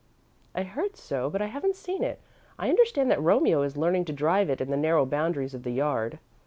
"I heard so, but I haven't seen it. I understand that Romeo is learning to drive it in the narrow boundaries of the yard."